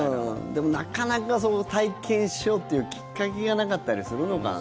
でも、なかなか体験しようというきっかけがなかったりするのかな。